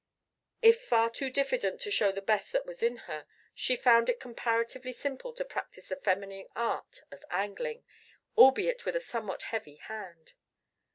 If far too diffident to show the best that was in her, she found it comparatively simple to practice the feminine art of angling, albeit with a somewhat heavy hand.